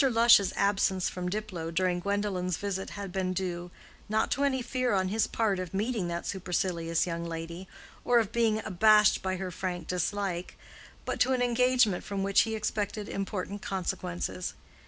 Lush's absence from Diplow during Gwendolen's visit had been due, not to any fear on his part of meeting that supercilious young lady, or of being abashed by her frank dislike, but to an engagement from which he expected important consequences.